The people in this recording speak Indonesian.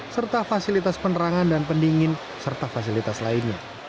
serta fasilitas penerangan dan pendingin serta fasilitas lainnya